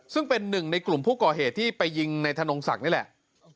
ซึ่งเป็นหนึ่งในกลุ่มผู้ก่อเหตุที่ไปยิงในธนงศักดิ์นี่แหละ